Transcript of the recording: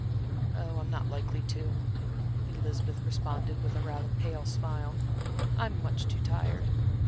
"Oh, I'm not likely to," Elizabeth responded, with rather a pale smile. "I'm much too tired."